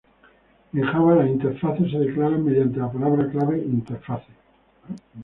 En Java las interfaces se declaran mediante la palabra clave Interface.